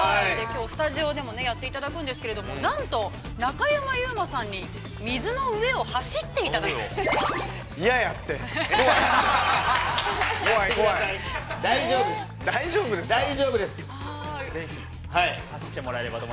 ◆スタジオでもやっていただくんですけれども、なんと、中山優馬さんに水の上を走っていただくと。